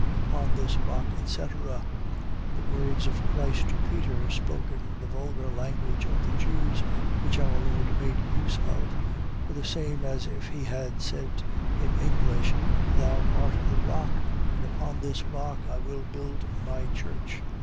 Upon this rock, etc. . .The words of Christ to Peter, spoken in the vulgar language of the Jews which our Lord made use of, were the same as if he had said in English, Thou art a Rock, and upon this rock I will build my church.